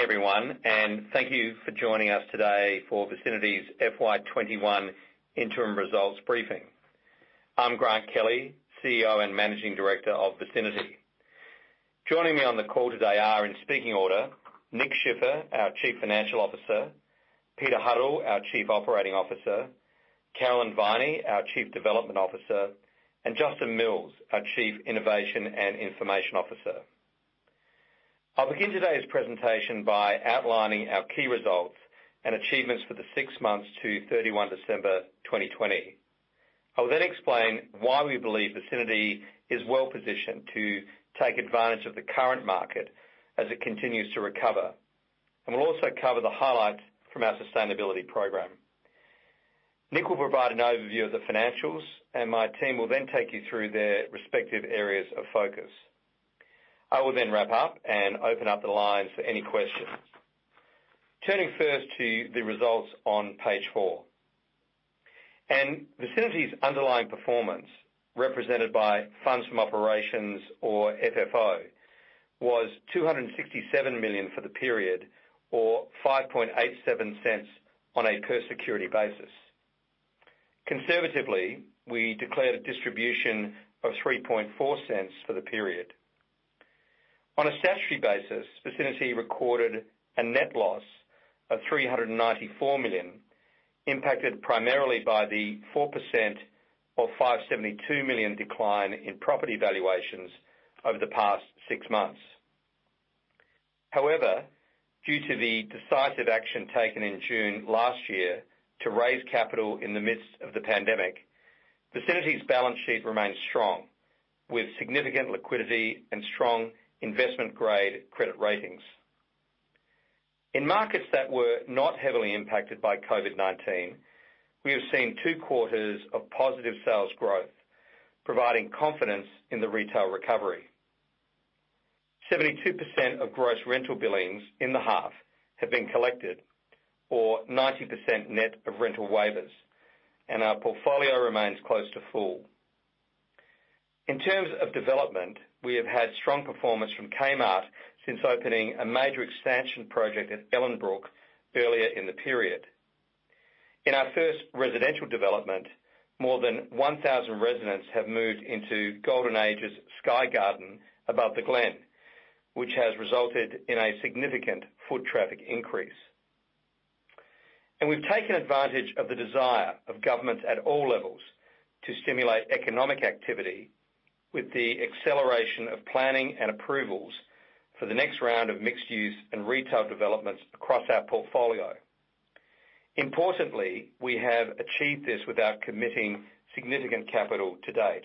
Morning everyone, thank you for joining us today for Vicinity Centres' FY 2021 interim results briefing. I am Grant Kelley, CEO and Managing Director of Vicinity Centres. Joining me on the call today are, in speaking order, Nick Schiffer, our Chief Financial Officer, Peter Huddle, our Chief Operating Officer, Carolyn Viney, our Chief Development Officer, and Justin Mills, our Chief Innovation and Information Officer. I will begin today's presentation by outlining our key results and achievements for the six months to December 31, 2020. I will then explain why we believe Vicinity Centres is well-positioned to take advantage of the current market as it continues to recover. We will also cover the highlights from our sustainability program. Nick will provide an overview of the financials. My team will then take you through their respective areas of focus. I will then wrap up and open up the lines for any questions. Turning first to the results on page four. Vicinity's underlying performance, represented by funds from operations or FFO, was 267 million for the period or 0.0587 on a per security basis. Conservatively, we declared a distribution of 0.0340 for the period. On a statutory basis, Vicinity recorded a net loss of 394 million, impacted primarily by the 4% or 572 million decline in property valuations over the past six months. However, due to the decisive action taken in June last year to raise capital in the midst of the pandemic, Vicinity's balance sheet remains strong, with significant liquidity and strong investment-grade credit ratings. In markets that were not heavily impacted by COVID-19, we have seen two quarters of positive sales growth, providing confidence in the retail recovery. 72% of gross rental billings in the half have been collected, or 90% net of rental waivers, and our portfolio remains close to full. In terms of development, we have had strong performance from Kmart since opening a major expansion project at Ellenbrook earlier in the period. In our first residential development, more than 1,000 residents have moved into Golden Age's Sky Garden above The Glen, which has resulted in a significant foot traffic increase. We've taken advantage of the desire of governments at all levels to stimulate economic activity with the acceleration of planning and approvals for the next round of mixed-use and retail developments across our portfolio. Importantly, we have achieved this without committing significant capital to date.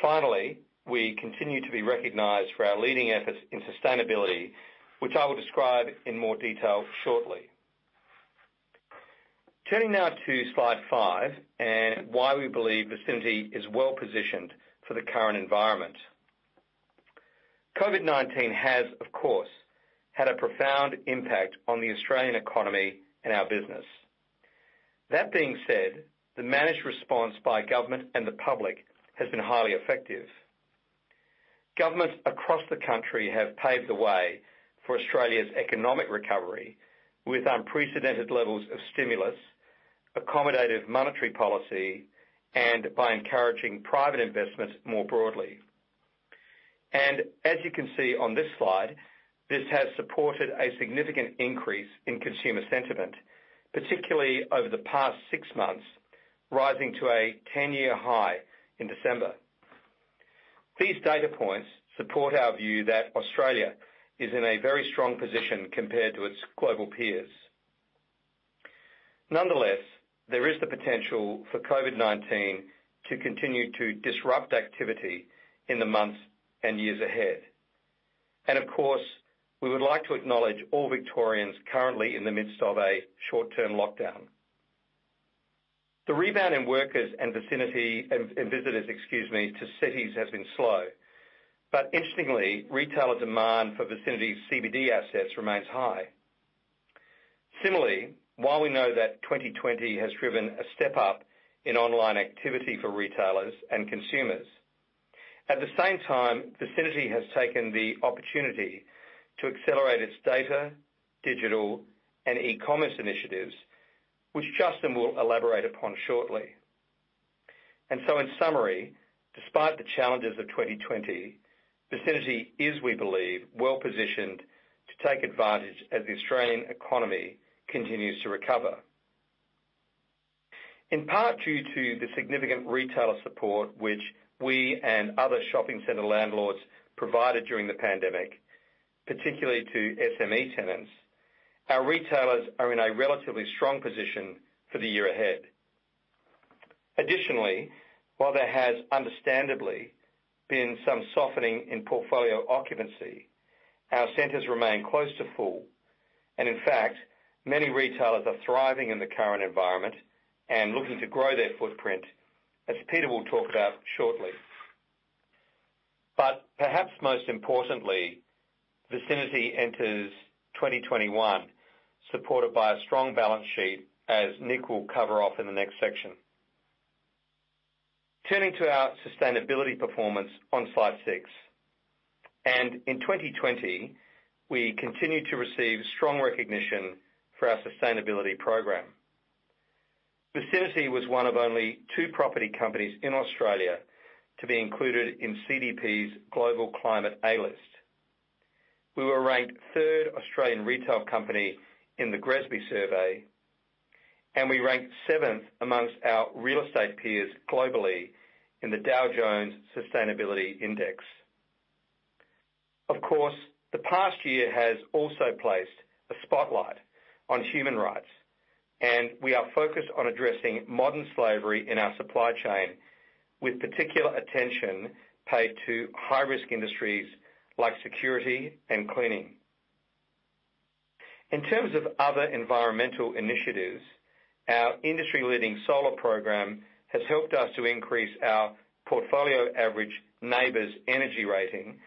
Finally, we continue to be recognized for our leading efforts in sustainability, which I will describe in more detail shortly. Turning now to slide five and why we believe Vicinity is well-positioned for the current environment. COVID-19 has, of course, had a profound impact on the Australian economy and our business. That being said, the managed response by government and the public has been highly effective. Governments across the country have paved the way for Australia's economic recovery with unprecedented levels of stimulus, accommodative monetary policy, and by encouraging private investment more broadly. As you can see on this slide, this has supported a significant increase in consumer sentiment, particularly over the past six months, rising to a 10-year high in December. These data points support our view that Australia is in a very strong position compared to its global peers. Nonetheless, there is the potential for COVID-19 to continue to disrupt activity in the months and years ahead. Of course, we would like to acknowledge all Victorians currently in the midst of a short-term lockdown. The rebound in workers and visitors, excuse me, to cities has been slow. Interestingly, retailer demand for Vicinity's CBD assets remains high. Similarly, while we know that 2020 has driven a step up in online activity for retailers and consumers, at the same time, Vicinity has taken the opportunity to accelerate its data, digital, and e-commerce initiatives, which Justin will elaborate upon shortly. In summary, despite the challenges of 2020, Vicinity is, we believe, well-positioned to take advantage as the Australian economy continues to recover. In part due to the significant retailer support which we and other shopping center landlords provided during the pandemic, particularly to SME tenants, our retailers are in a relatively strong position for the year ahead. Additionally, while there has understandably been some softening in portfolio occupancy, our centers remain close to full. In fact, many retailers are thriving in the current environment and looking to grow their footprint, as Peter will talk about shortly. Perhaps most importantly, Vicinity enters 2021 supported by a strong balance sheet, as Nick will cover off in the next section. Turning to our sustainability performance on slide six. In 2020, we continued to receive strong recognition for our sustainability program. Vicinity was one of only two property companies in Australia to be included in CDP's Global Climate A List. We were ranked third Australian retail company in the GRESB survey, and we ranked seventh amongst our real estate peers globally in the Dow Jones Sustainability Index. Of course, the past year has also placed a spotlight on human rights, and we are focused on addressing modern slavery in our supply chain with particular attention paid to high-risk industries like security and cleaning. In terms of other environmental initiatives, our industry-leading solar program has helped us to increase our portfolio average NABERS energy rating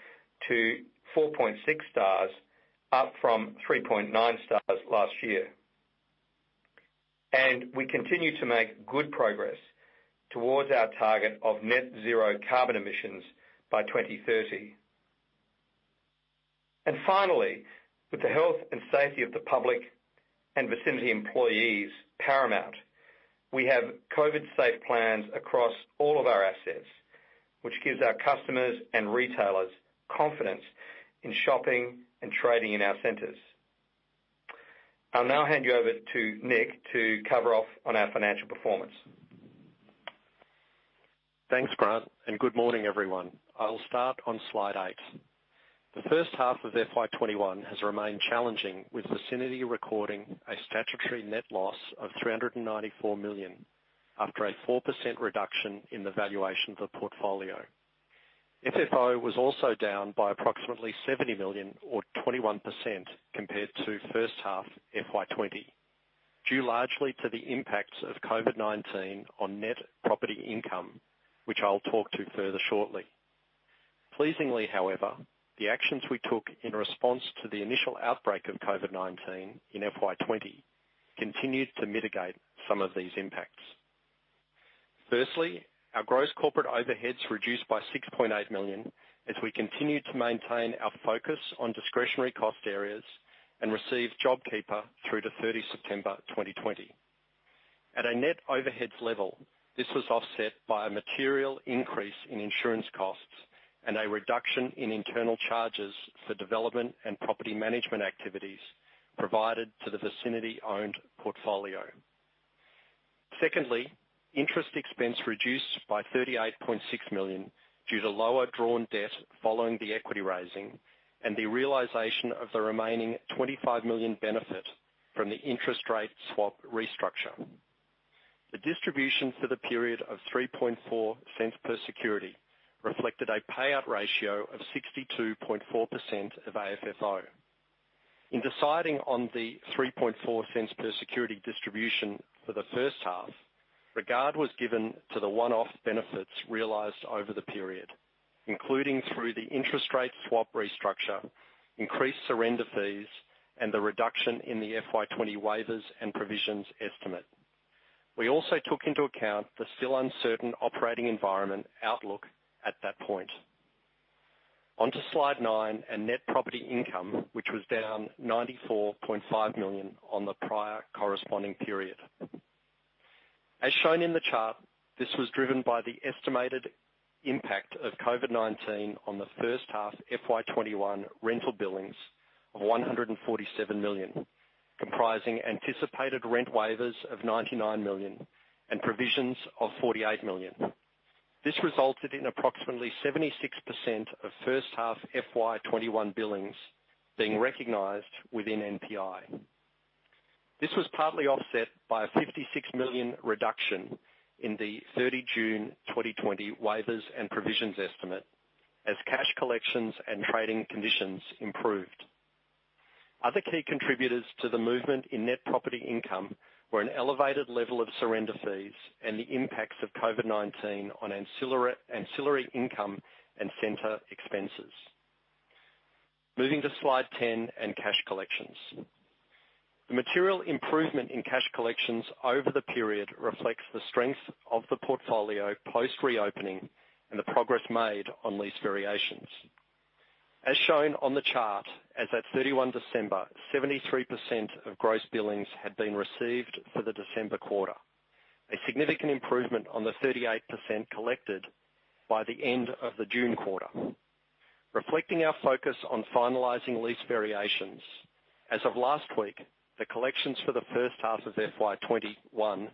to 4.6 stars, up from 3.9 stars last year. We continue to make good progress towards our target of net zero carbon emissions by 2030. Finally, with the health and safety of the public and Vicinity employees paramount, we have COVID-safe plans across all of our assets, which gives our customers and retailers confidence in shopping and trading in our centers. I'll now hand you over to Nick to cover off on our financial performance. Thanks, Grant. Good morning, everyone. I will start on slide eight. The first half of FY 2021 has remained challenging with Vicinity recording a statutory net loss of 394 million after a 4% reduction in the valuation of the portfolio. FFO was also down by approximately 70 million or 21% compared to first half FY 2020, due largely to the impacts of COVID-19 on net property income, which I'll talk to further shortly. Pleasingly, however, the actions we took in response to the initial outbreak of COVID-19 in FY 2020 continued to mitigate some of these impacts. Firstly, our gross corporate overheads reduced by 6.8 million as we continued to maintain our focus on discretionary cost areas and received JobKeeper through to September 30, 2020. At a net overhead level, this was offset by a material increase in insurance costs and a reduction in internal charges for development and property management activities provided to the Vicinity-owned portfolio. Interest expense reduced by 38.6 million due to lower drawn debt following the equity raising and the realization of the remaining 25 million benefit from the interest rate swap restructure. The distribution for the period of 0.034 per security reflected a payout ratio of 62.4% of AFFO. In deciding on the 0.034 per security distribution for the first half, regard was given to the one-off benefits realized over the period, including through the interest rate swap restructure, increased surrender fees, and the reduction in the FY 2020 waivers and provisions estimate. We also took into account the still uncertain operating environment outlook at that point. Onto slide nine and net property income, which was down 94.5 million on the prior corresponding period. As shown in the chart, this was driven by the estimated impact of COVID-19 on the first half FY 2021 rental billings of 147 million, comprising anticipated rent waivers of 99 million and provisions of 48 million. This resulted in approximately 76% of first-half FY 2021 billings being recognized within NPI. This was partly offset by a 56 million reduction in the June 30, 2020 waivers and provisions estimate as cash collections and trading conditions improved. Other key contributors to the movement in net property income were an elevated level of surrender fees and the impacts of COVID-19 on ancillary income and center expenses. Moving to slide 10 and cash collections. The material improvement in cash collections over the period reflects the strength of the portfolio post-reopening and the progress made on lease variations. As shown on the chart, as at December 31, 73% of gross billings had been received for the December quarter, a significant improvement on the 38% collected by the end of the June quarter. Reflecting our focus on finalizing lease variations, as of last week, the collections for the first half of FY 2021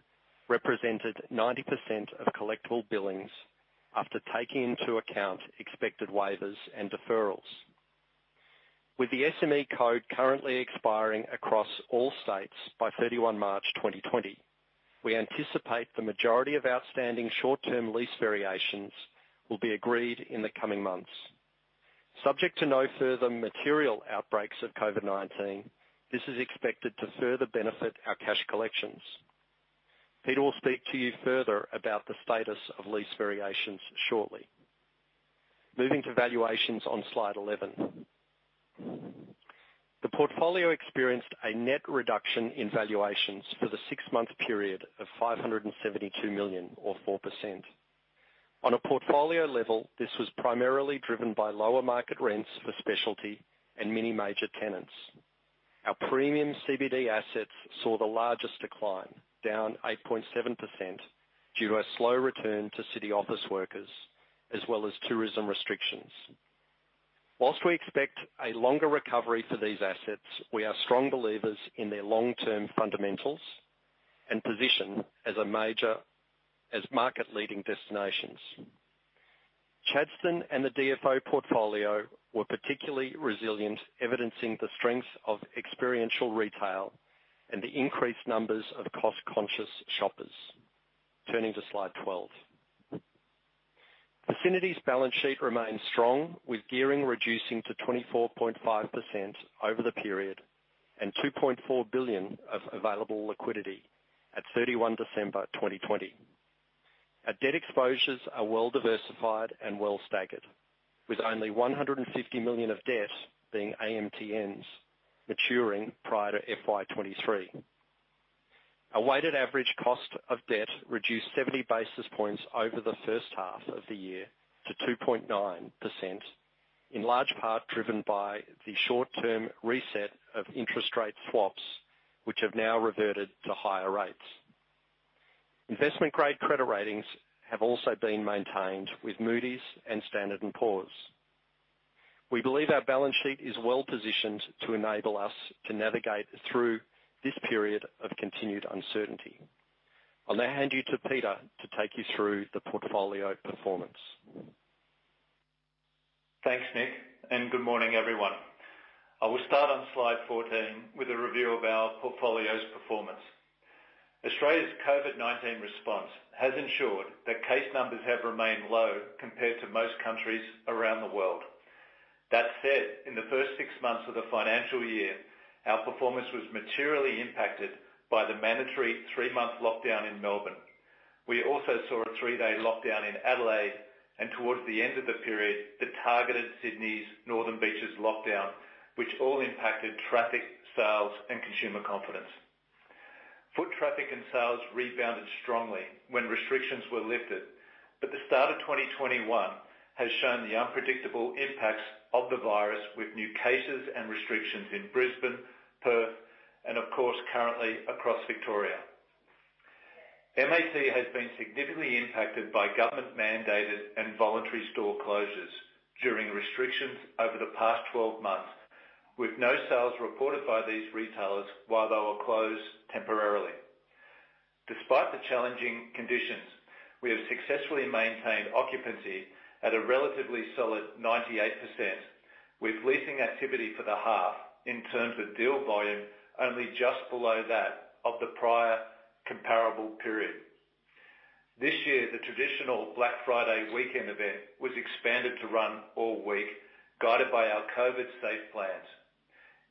represented 90% of collectible billings after taking into account expected waivers and deferrals. With the SME Code currently expiring across all states by March 31, 2021, we anticipate the majority of outstanding short-term lease variations will be agreed in the coming months. Subject to no further material outbreaks of COVID-19, this is expected to further benefit our cash collections. Peter will speak to you further about the status of lease variations shortly. Moving to valuations on slide 11. The portfolio experienced a net reduction in valuations for the six-month period of 572 million, or 4%. On a portfolio level, this was primarily driven by lower market rents for specialty and many major tenants. Our premium CBD assets saw the largest decline, down 8.7%, due to a slow return to city office workers as well as tourism restrictions. Whilst we expect a longer recovery for these assets, we are strong believers in their long-term fundamentals and position as market-leading destinations. Chadstone and the DFO portfolio were particularly resilient, evidencing the strength of experiential retail and the increased numbers of cost-conscious shoppers. Turning to slide 12. Vicinity's balance sheet remains strong, with gearing reducing to 24.5% over the period and 2.4 billion of available liquidity at December 31, 2020. Our debt exposures are well diversified and well staggered, with only 150 million of debt being AMTNs maturing prior to FY 2023. Our weighted average cost of debt reduced 70 basis points over the first half of the year to 2.9%, in large part driven by the short-term reset of interest rate swaps, which have now reverted to higher rates. Investment-grade credit ratings have also been maintained with Moody's and Standard & Poor's. We believe our balance sheet is well-positioned to enable us to navigate through this period of continued uncertainty. I'll now hand you to Peter to take you through the portfolio performance. Thanks, Nick, and good morning, everyone. I will start on slide 14 with a review of our portfolio's performance. Australia's COVID-19 response has ensured that case numbers have remained low compared to most countries around the world. That said, in the first six months of the financial year, our performance was materially impacted by the mandatory three-month lockdown in Melbourne. We also saw a three-day lockdown in Adelaide, and towards the end of the period, the targeted Sydney's Northern Beaches lockdown, which all impacted traffic, sales, and consumer confidence. Foot traffic and sales rebounded strongly when restrictions were lifted, but the start of 2021 has shown the unpredictable impacts of the virus with new cases and restrictions in Brisbane, Perth, and of course, currently across Victoria. MAT has been significantly impacted by government-mandated and voluntary store closures during restrictions over the past 12 months, with no sales reported by these retailers while they were closed temporarily. Despite the challenging conditions, we have successfully maintained occupancy at a relatively solid 98%, with leasing activity for the half in terms of deal volume only just below that of the prior comparable period. This year, the traditional Black Friday weekend event was expanded to run all week, guided by our COVID safe plans.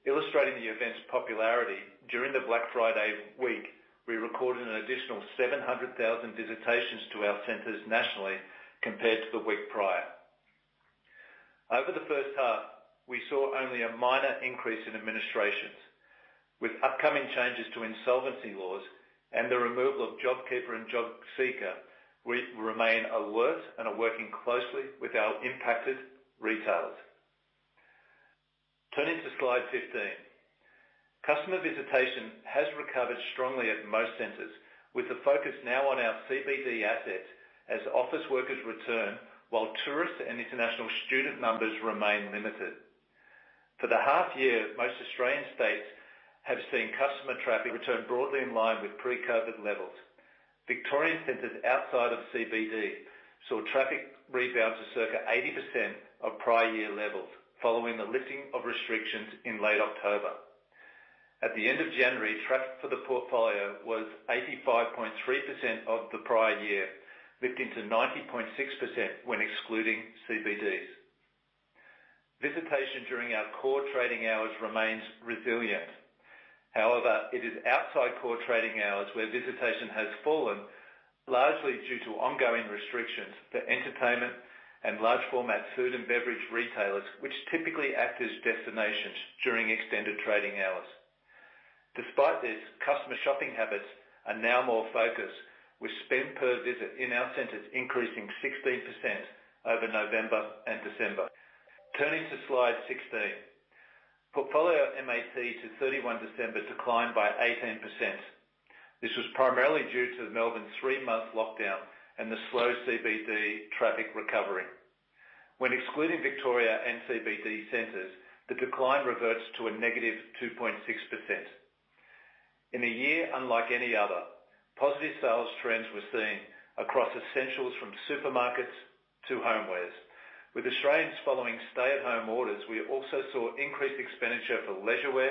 Illustrating the event's popularity, during the Black Friday week, we recorded an additional 700,000 visitations to our centers nationally compared to the week prior. Over the first half, we saw only a minor increase in administrations. With upcoming changes to insolvency laws and the removal of JobKeeper and JobSeeker, we remain alert and are working closely with our impacted retailers. Turning to slide 15. Customer visitation has recovered strongly at most centers, with the focus now on our CBD assets as office workers return, while tourist and international student numbers remain limited. For the half year, most Australian states have seen customer traffic return broadly in line with pre-COVID levels. Victorian centers outside of CBD saw traffic rebound to circa 80% of prior year levels following the lifting of restrictions in late October. At the end of January, traffic for the portfolio was 85.3% of the prior year, lifting to 90.6% when excluding CBDs. Visitation during our core trading hours remains resilient. However, it is outside core trading hours where visitation has fallen, largely due to ongoing restrictions for entertainment and large-format food and beverage retailers, which typically act as destinations during extended trading hours. Despite this, customer shopping habits are now more focused, with spend per visit in our centers increasing 16% over November and December. Turning to slide 16. Portfolio MAT to December 31 declined by 18%. This was primarily due to the Melbourne three-month lockdown and the slow CBD traffic recovery. When excluding Victoria and CBD centers, the decline reverts to a negative 2.6%. In a year unlike any other, positive sales trends were seen across essentials from supermarkets to homewares. With Australians following stay-at-home orders, we also saw increased expenditure for leisurewear,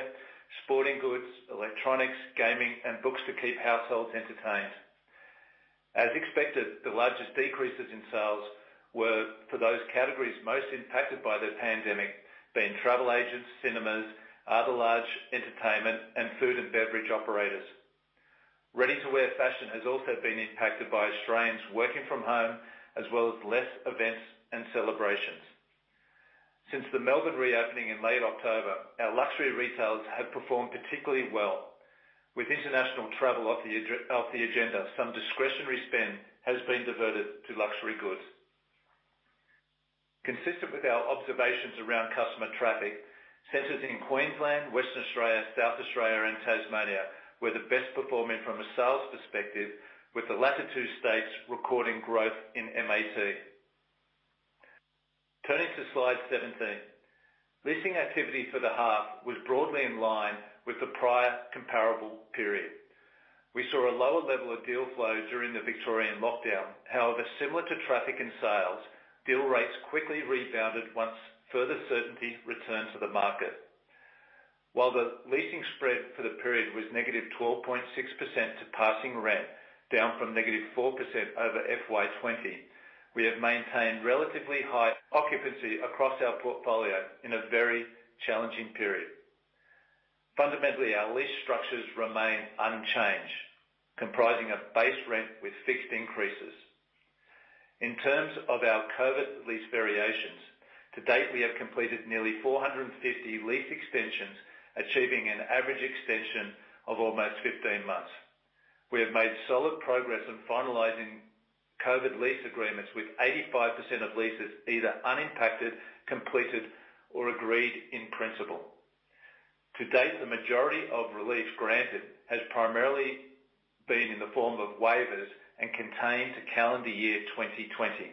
sporting goods, electronics, gaming, and books to keep households entertained. As expected, the largest decreases in sales were for those categories most impacted by the pandemic, being travel agents, cinemas, other large entertainment, and food and beverage operators. Ready-to-wear fashion has also been impacted by Australians working from home, as well as less events and celebrations. Since the Melbourne reopening in late October, our luxury retails have performed particularly well. With international travel off the agenda, some discretionary spend has been diverted to luxury goods. Consistent with our observations around customer traffic, centers in Queensland, Western Australia, South Australia, and Tasmania were the best performing from a sales perspective, with the latter two states recording growth in MAT. Turning to slide 17. Leasing activity for the half was broadly in line with the prior comparable period. We saw a lower level of deal flow during the Victorian lockdown. Similar to traffic and sales, deal rates quickly rebounded once further certainty returned to the market. While the leasing spread for the period was -12.6% to passing rent, down from -4% over FY 2020, we have maintained relatively high occupancy across our portfolio in a very challenging period. Fundamentally, our lease structures remain unchanged, comprising a base rent with fixed increases. In terms of our COVID lease variations, to date, we have completed nearly 450 lease extensions, achieving an average extension of almost 15 months. We have made solid progress in finalizing COVID lease agreements, with 85% of leases either unimpacted, completed, or agreed in principle. To date, the majority of relief granted has primarily been in the form of waivers and contained to calendar year 2020.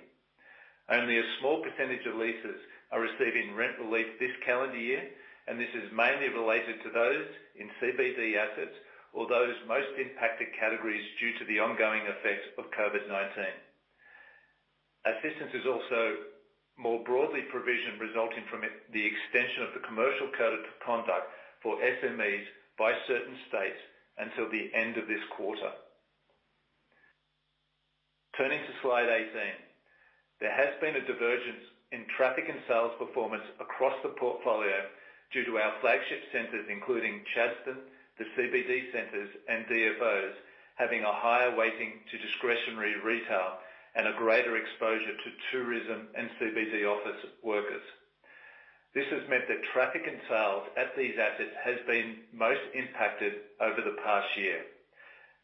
Only a small percentage of leases are receiving rent relief this calendar year, and this is mainly related to those in CBD assets or those most impacted categories due to the ongoing effects of COVID-19. Assistance is also more broadly provisioned resulting from the extension of the commercial code of conduct for SMEs by certain states until the end of this quarter. Turning to slide 18. There has been a divergence in traffic and sales performance across the portfolio due to our flagship centers, including Chadstone, the CBD centers, and DFOs, having a higher weighting to discretionary retail and a greater exposure to tourism and CBD office workers. This has meant that traffic and sales at these assets has been most impacted over the past year.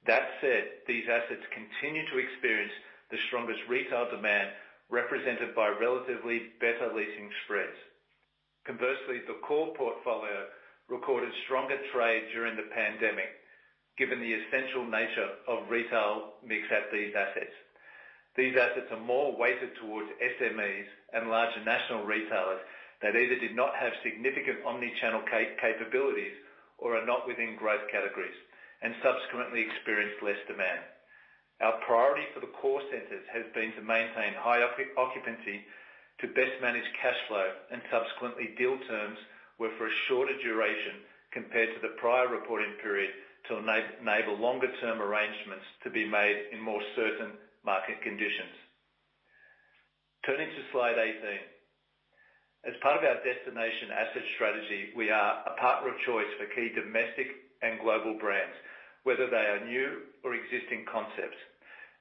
That said, these assets continue to experience the strongest retail demand, represented by relatively better leasing spreads. Conversely, the core portfolio recorded stronger trade during the pandemic, given the essential nature of retail mix at these assets. These assets are more weighted towards SMEs and larger national retailers that either did not have significant omnichannel capabilities or are not within growth categories, and subsequently experienced less demand. Our priority for the core centers has been to maintain high occupancy to best manage cash flow, and subsequently, deal terms were for a shorter duration compared to the prior reporting period to enable longer-term arrangements to be made in more certain market conditions. Turning to slide 18. As part of our destination asset strategy, we are a partner of choice for key domestic and global brands, whether they are new or existing concepts.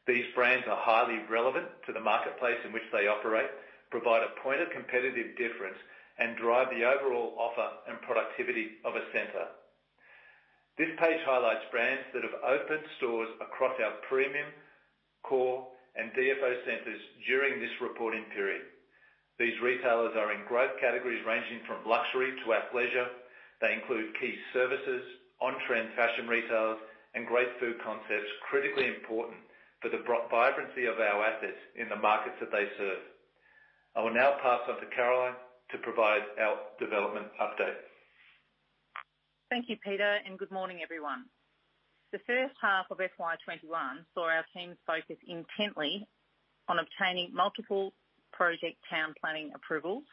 These brands are highly relevant to the marketplace in which they operate, provide a point of competitive difference, and drive the overall offer and productivity of a center. This page highlights brands that have opened stores across our premium, core, and DFO centers during this reporting period. These retailers are in growth categories ranging from luxury to athleisure. They include key services, on-trend fashion retailers, and great food concepts critically important for the vibrancy of our assets in the markets that they serve. I will now pass on to Carolyn to provide our development update. Thank you, Peter, and good morning, everyone. The first half of FY 2021 saw our teams focus intently on obtaining multiple project town planning approvals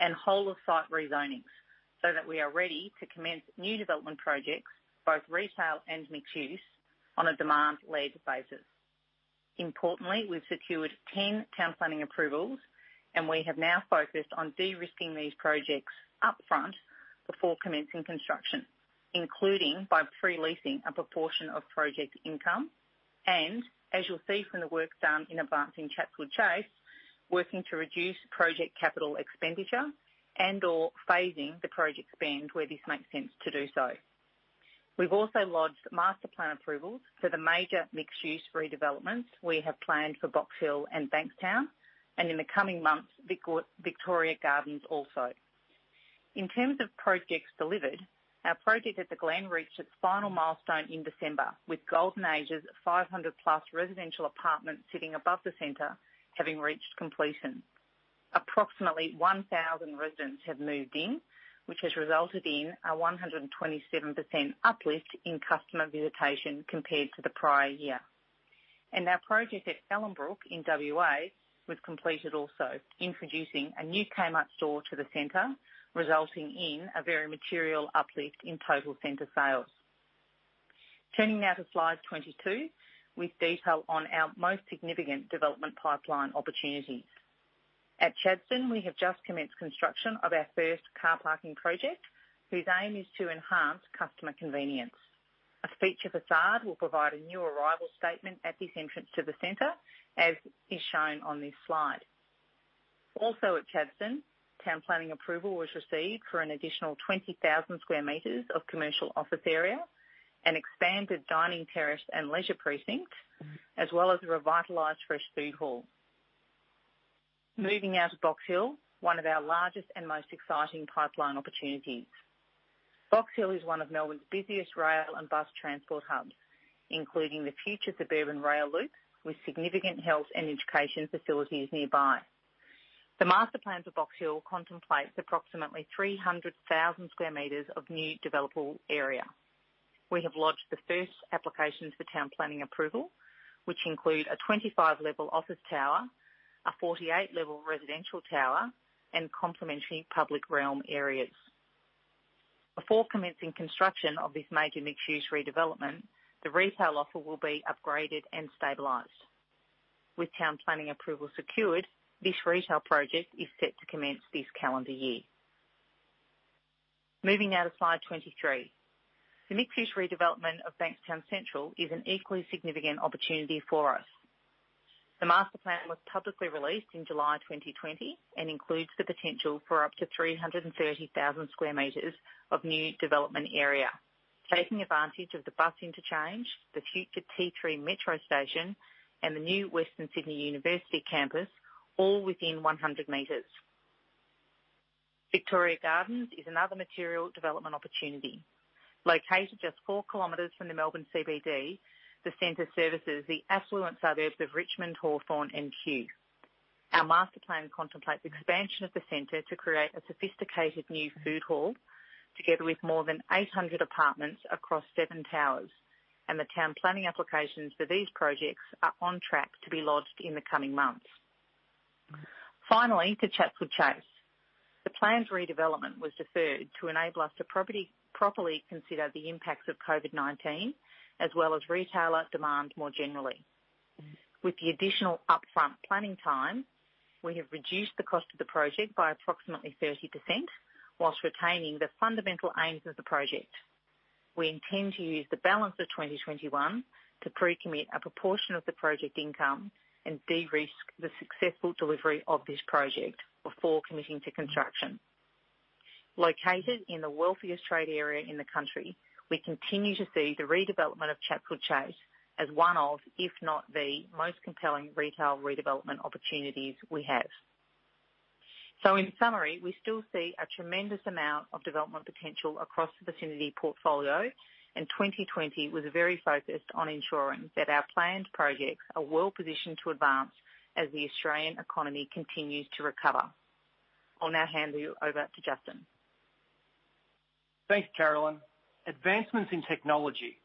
and whole of site rezonings, so that we are ready to commence new development projects, both retail and mixed-use, on a demand-led basis. Importantly, we've secured 10 town planning approvals, and we have now focused on de-risking these projects up front before commencing construction, including by pre-leasing a proportion of project income and, as you'll see from the work done in advancing Chatswood Chase, working to reduce project capital expenditure and/or phasing the project spend where this makes sense to do so. We've also lodged master plan approvals for the major mixed-use redevelopments we have planned for Box Hill and Bankstown, and in the coming months, Victoria Gardens also. In terms of projects delivered, our project at The Glen reached its final milestone in December with Golden Age's 500-plus residential apartments sitting above the center having reached completion. Approximately 1,000 residents have moved in, which has resulted in a 127% uplift in customer visitation compared to the prior year. Our project at Ellenbrook in W.A. was completed also, introducing a new Kmart store to the center, resulting in a very material uplift in total center sales. Turning now to slide 22. With detail on our most significant development pipeline opportunities. At Chadstone, we have just commenced construction of our first car parking project, whose aim is to enhance customer convenience. A feature facade will provide a new arrival statement at this entrance to the center, as is shown on this slide. Also at Chadstone, town planning approval was received for an additional 20,000 sq m of commercial office area, an expanded dining terrace and leisure precinct, as well as a revitalized fresh food hall. Moving now to Box Hill, one of our largest and most exciting pipeline opportunities. Box Hill is one of Melbourne's busiest rail and bus transport hubs, including the future suburban rail loop, with significant health and education facilities nearby. The master plan for Box Hill contemplates approximately 300,000 sq m of new developable area. We have lodged the first applications for town planning approval, which include a 25-level office tower, a 48-level residential tower, and complementary public realm areas. Before commencing construction of this major mixed-use redevelopment, the retail offer will be upgraded and stabilized. With town planning approval secured, this retail project is set to commence this calendar year. Moving now to slide 23. The mixed-use redevelopment of Bankstown Central is an equally significant opportunity for us. The master plan was publicly released in July 2020 and includes the potential for up to 330,000 square meters of new development area, taking advantage of the bus interchange, the future T3 Metro Station, and the new Western Sydney University campus, all within 100 meters. Victoria Gardens is another material development opportunity. Located just four kilometers from the Melbourne CBD, the center services the affluent suburbs of Richmond, Hawthorn, and Kew. Our master plan contemplates expansion of the center to create a sophisticated new food hall, together with more than 800 apartments across seven towers, and the town planning applications for these projects are on track to be lodged in the coming months. Finally, to Chatswood Chase. The planned redevelopment was deferred to enable us to properly consider the impacts of COVID-19, as well as retailer demand more generally. With the additional upfront planning time, we have reduced the cost of the project by approximately 30%, whilst retaining the fundamental aims of the project. We intend to use the balance of 2021 to pre-commit a proportion of the project income and de-risk the successful delivery of this project before committing to construction. Located in the wealthiest trade area in the country, we continue to see the redevelopment of Chatswood Chase as one of, if not the, most compelling retail redevelopment opportunities we have. In summary, we still see a tremendous amount of development potential across the Vicinity portfolio, and 2020 was very focused on ensuring that our planned projects are well-positioned to advance as the Australian economy continues to recover. I'll now hand you over to Justin. Thanks, Carolyn. Advancements in technology,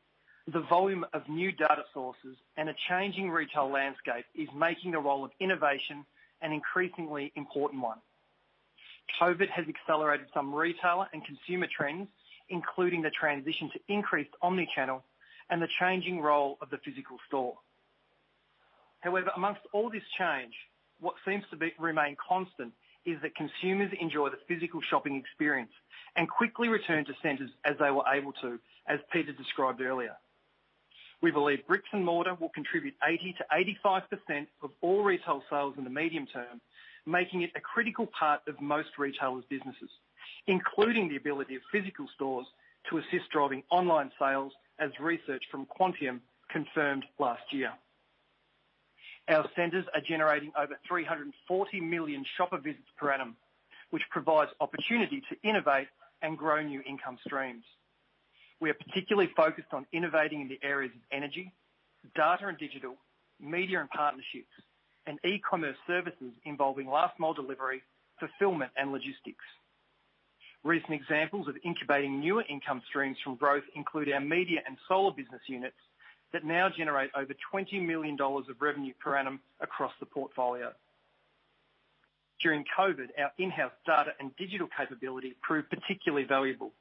the volume of new data sources, and a changing retail landscape is making the role of innovation an increasingly important one. COVID has accelerated some retailer and consumer trends, including the transition to increased omnichannel and the changing role of the physical store. However, amongst all this change, what seems to remain constant is that consumers enjoy the physical shopping experience and quickly return to centers as they were able to, as Peter described earlier. We believe bricks and mortar will contribute 80%-85% of all retail sales in the medium term, making it a critical part of most retailers' businesses, including the ability of physical stores to assist driving online sales, as research from Quantium confirmed last year. Our centers are generating over 340 million shopper visits per annum, which provides opportunity to innovate and grow new income streams. We are particularly focused on innovating in the areas of energy, data and digital, media and partnerships, and e-commerce services involving last-mile delivery, fulfillment, and logistics. Recent examples of incubating newer income streams from growth include our media and solar business units that now generate over 20 million dollars of revenue per annum across the portfolio. During COVID-19, our in-house data and digital capability proved particularly valuable.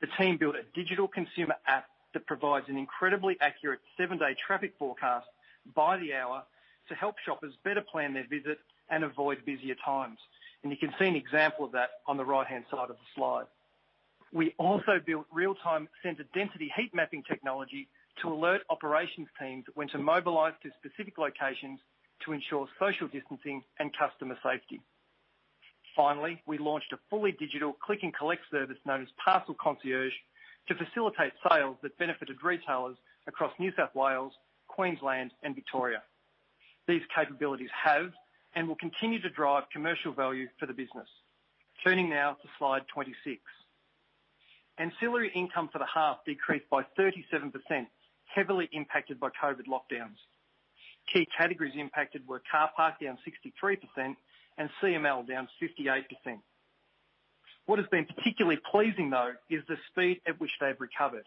The team built a digital consumer app that provides an incredibly accurate seven-day traffic forecast by the hour to help shoppers better plan their visit and avoid busier times. You can see an example of that on the right-hand side of the slide. We also built real-time center density heat mapping technology to alert operations teams when to mobilize to specific locations to ensure social distancing and customer safety. Finally, we launched a fully digital click and collect service known as Parcel Concierge to facilitate sales that benefited retailers across New South Wales, Queensland, and Victoria. These capabilities have and will continue to drive commercial value for the business. Turning now to slide 26. Ancillary income for the half decreased by 37%, heavily impacted by COVID lockdowns. Key categories impacted were car park, down 63%, and CML, down 58%. What has been particularly pleasing, though, is the speed at which they've recovered.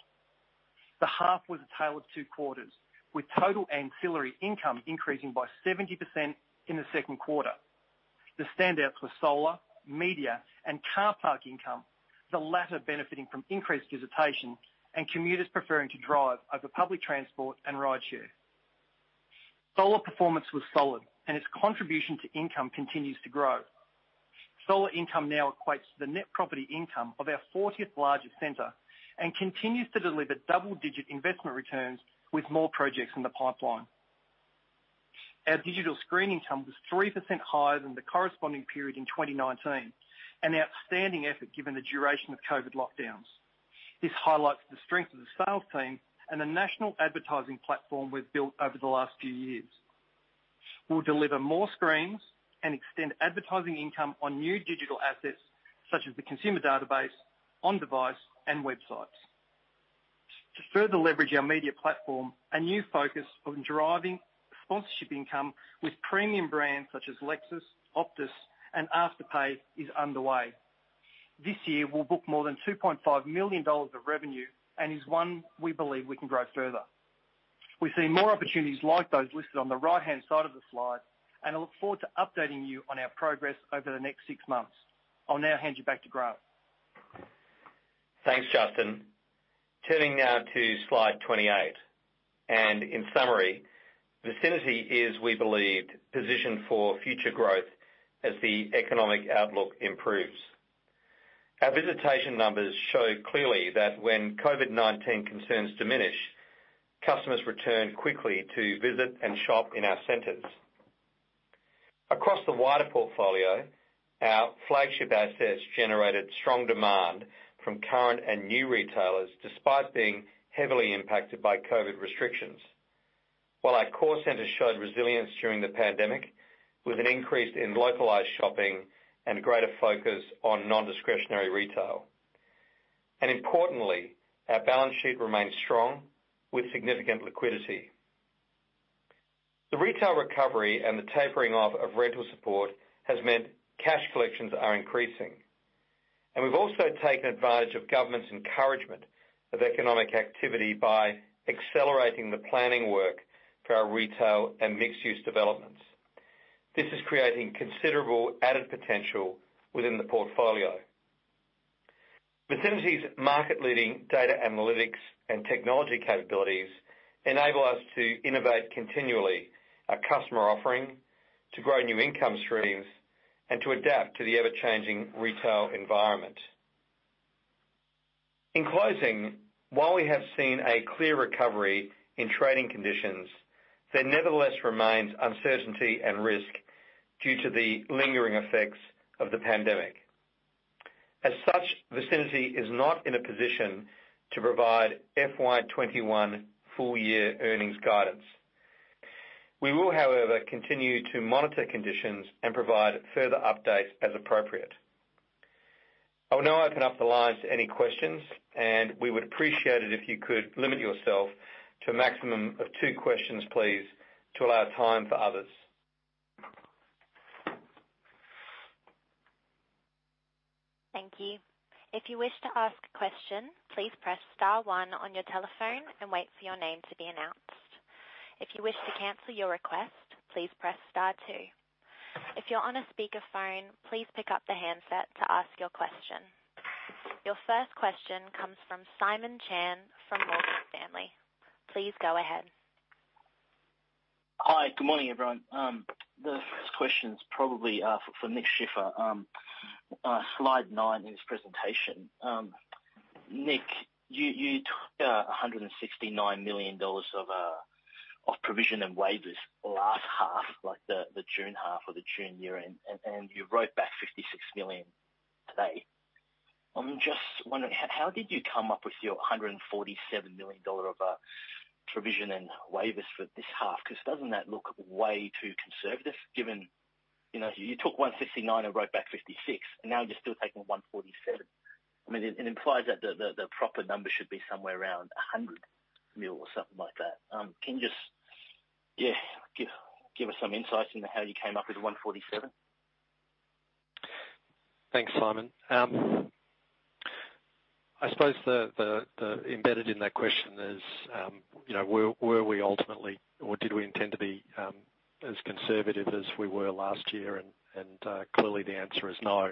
The half was a tale of two quarters, with total ancillary income increasing by 70% in the second quarter. The standouts were solar, media, and car park income, the latter benefiting from increased visitation and commuters preferring to drive over public transport and rideshare. Solar performance was solid, its contribution to income continues to grow. Solar income now equates to the net property income of our 40 largest centers and continues to deliver double-digit investment returns with more projects in the pipeline. Our digital screen income was 3% higher than the corresponding period in 2019, an outstanding effort given the duration of COVID lockdowns. This highlights the strength of the sales team and the national advertising platform we've built over the last few years. We'll deliver more screens and extend advertising income on new digital assets such as the consumer database, on-device, and websites. To further leverage our media platform, a new focus on driving sponsorship income with premium brands such as Lexus, Optus, and Afterpay is underway. This year, we'll book more than 2.5 million dollars of revenue and is one we believe we can grow further. We see more opportunities like those listed on the right-hand side of the slide, and I look forward to updating you on our progress over the next six months. I'll now hand you back to Grant. Thanks, Justin. Turning now to slide 28. In summary, Vicinity is, we believe, positioned for future growth as the economic outlook improves. Our visitation numbers show clearly that when COVID-19 concerns diminish, customers return quickly to visit and shop in our centers. Across the wider portfolio, our flagship assets generated strong demand from current and new retailers, despite being heavily impacted by COVID restrictions. While our core centers showed resilience during the pandemic with an increase in localized shopping and a greater focus on non-discretionary retail. Importantly, our balance sheet remains strong with significant liquidity. The retail recovery and the tapering off of rental support has meant cash collections are increasing, and we've also taken advantage of government's encouragement of economic activity by accelerating the planning work for our retail and mixed-use developments. This is creating considerable added potential within the portfolio. Vicinity's market-leading data analytics and technology capabilities enable us to innovate continually our customer offering, to grow new income streams, and to adapt to the ever-changing retail environment. In closing, while we have seen a clear recovery in trading conditions, there nevertheless remains uncertainty and risk due to the lingering effects of the pandemic. As such, Vicinity is not in a position to provide FY 2021 full-year earnings guidance. We will, however, continue to monitor conditions and provide further updates as appropriate. I will now open up the lines to any questions, and we would appreciate it if you could limit yourself to a maximum of two questions, please, to allow time for others. Thank you. If you wish to ask a question, please press star one on your telephone and wait for your name to be announced. If you wish to cancel your request, please press star two. If you are on a speakerphone, please pick up the handset to ask your question. Your first question comes from Simon Chan from Morgan Stanley. Please go ahead. Hi. Good morning, everyone. The first question's probably for Nick Schiffer. Slide nine in his presentation. Nick, you took 169 million dollars of provision and waivers last half, the June half or the June year-end, and you wrote back 56 million today. I'm just wondering, how did you come up with your 147 million dollar of provision and waivers for this half? Doesn't that look way too conservative given you took 169 and wrote back 56, and now you're still taking 147? It implies that the proper number should be somewhere around 100 million or something like that. Can you just give us some insight into how you came up with 147? Thanks, Simon. I suppose embedded in that question is were we ultimately or did we intend to be as conservative as we were last year? Clearly, the answer is no.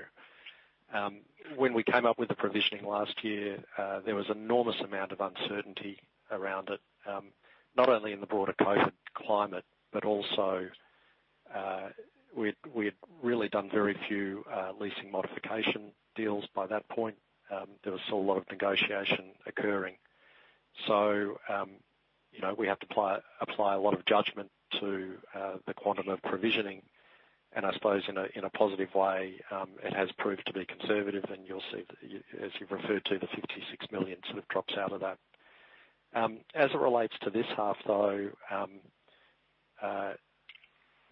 When we came up with the provisioning last year, there was enormous amount of uncertainty around it, not only in the broader COVID climate, but also we had really done very few leasing modification deals by that point. There was still a lot of negotiation occurring. We have to apply a lot of judgment to the quantum of provisioning, and I suppose in a positive way, it has proved to be conservative, and you'll see, as you've referred to, the 56 million sort of drops out of that. As it relates to this half, though,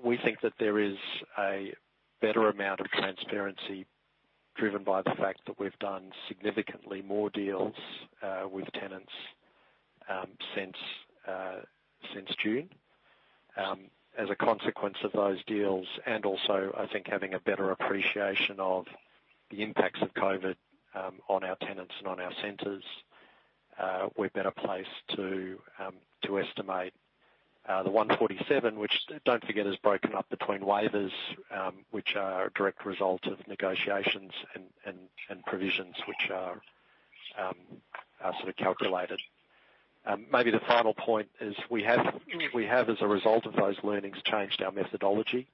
we think that there is a better amount of transparency driven by the fact that we've done significantly more deals with tenants since June. As a consequence of those deals and also, I think having a better appreciation of the impacts of COVID on our tenants and on our centers, we're better placed to estimate the 147, which don't forget, is broken up between waivers which are a direct result of negotiations, and provisions which are sort of calculated. Maybe the final point is we have, as a result of those learnings, changed our methodology.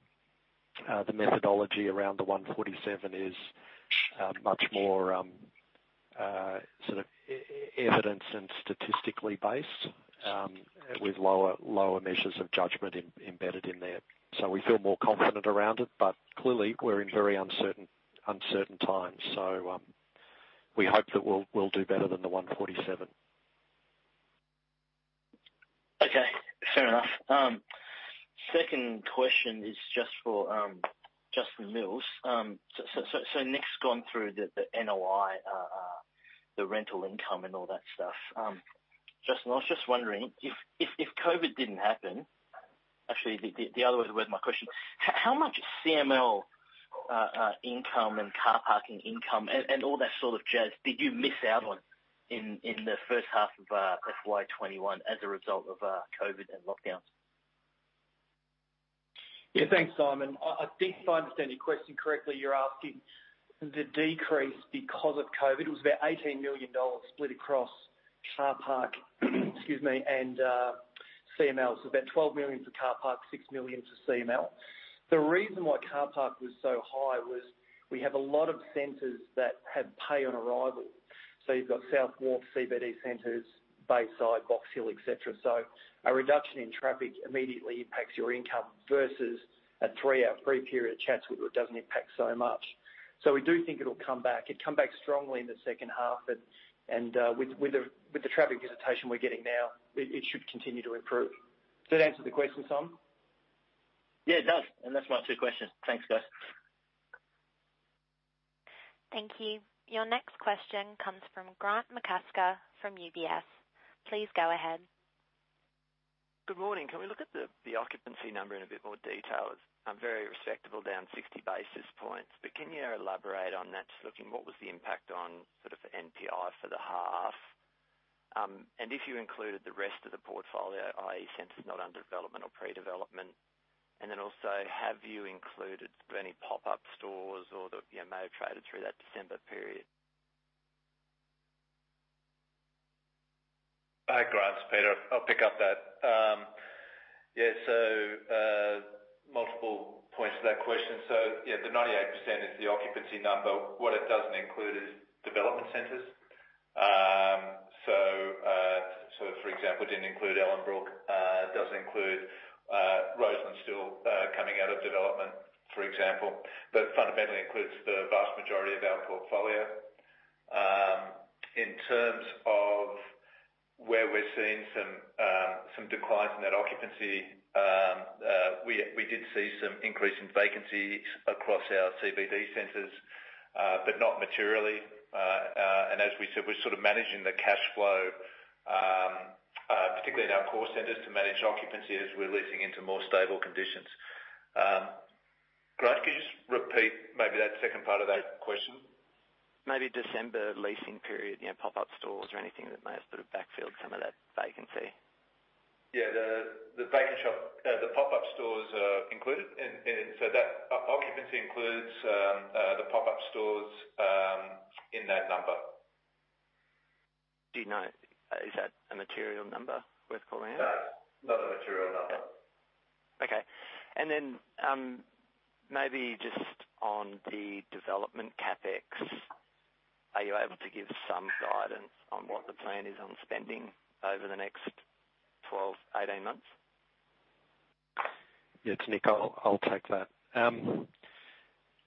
The methodology around the 147 is much more evidence and statistically based, with lower measures of judgment embedded in there. We feel more confident around it. Clearly, we're in very uncertain times, so we hope that we'll do better than the 147. Okay. Fair enough. Second question is just for Justin Mills. Nick's gone through the NOI, the rental income, and all that stuff. Justin, I was just wondering, if COVID didn't happen, actually, the other way around with my question. How much CML income and car parking income, and all that sort of jazz, did you miss out on in the first half of FY 2021 as a result of COVID and lockdowns? Yeah. Thanks, Simon. I think if I understand your question correctly, you're asking the decrease because of COVID. It was about AUD 18 million split across car park and CMLs. About AUD 12 million for car park, AUD 6 million for CML. The reason why car park was so high was we have a lot of centers that have pay on arrival. You've got South Wharf, CBD centers, Bayside, Box Hill, et cetera. A reduction in traffic immediately impacts your income versus a three-hour free period at Chatswood where it doesn't impact so much. We do think it'll come back. It come back strongly in the second half, and with the traffic visitation we're getting now, it should continue to improve. Does that answer the question, Simon? Yeah, it does. That's my two questions. Thanks, guys. Thank you. Your next question comes from Grant McCasker from UBS. Please go ahead. Good morning. Can we look at the occupancy number in a bit more detail? It's very respectable, down 60 basis points. Can you elaborate on that? Just looking, what was the impact on NPI for the half? If you included the rest of the portfolio, i.e., centers not under development or pre-development. Also, have you included any pop-up stores or that may have traded through that December period? Hi, Grant. It's Peter. I'll pick up that. Yeah, multiple points to that question. Yeah, the 98% is the occupancy number. What it doesn't include is development centers. For example, it didn't include Ellenbrook. It doesn't include Roselands, still coming out of development, for example. Fundamentally includes the vast majority of our portfolio. In terms of where we're seeing some declines in that occupancy, we did see some increase in vacancies across our CBD centers, not materially. As we said, we're sort of managing the cash flow, particularly in our core centers, to manage occupancy as we're leasing into more stable conditions. Grant, could you just repeat maybe that second part of that question? Maybe December leasing period, pop-up stores or anything that may have sort of backfilled some of that vacancy. Yeah. The vacant shop, the pop-up stores are included. That occupancy includes the pop-up stores in that number. Do you know, is that a material number worth calling out? No, not a material number. Okay. Maybe just on the development CapEx, are you able to give some guidance on what the plan is on spending over the next 12-18 months? Yeah, it's Nick. I'll take that.